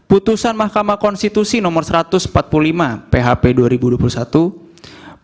putusan mahkamah konstitusi nomor satu ratus empat puluh lima php dua ribu dua puluh satu